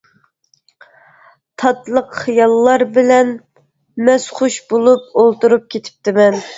تاتلىق خىياللار بىلەن مەستخۇش بولۇپ ئولتۇرۇپ كېتىپتىمەن.